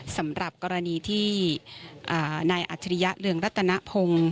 สำหรับกรณีที่นายอัจฉริยะเรืองรัตนพงศ์